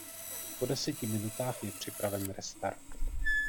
Po deseti minutách je připraven restart.